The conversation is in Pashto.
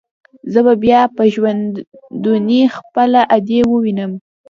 زه به بيا په ژوندوني خپله ادې ووينم.